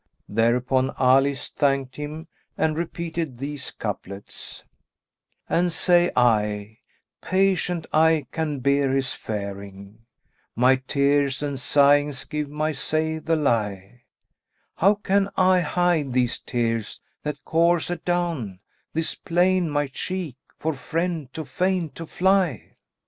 Thereupon Ali thanked him and repeated these couplets, "An say I, 'Patient I can bear his faring,' * My tears and sighings give my say the lie; How can I hide these tears that course adown * This plain, my cheek, for friend too fain to fly?"